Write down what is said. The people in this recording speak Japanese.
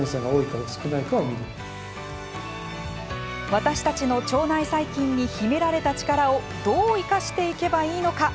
私たちの腸内細菌に秘められた力をどう生かしていけばいいのか。